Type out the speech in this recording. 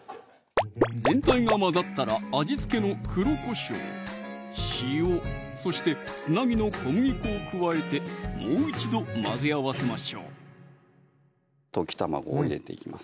全体が混ざったら味付けの黒こしょう・塩そしてつなぎの小麦粉を加えてもう一度混ぜ合わせましょう溶き卵を入れていきます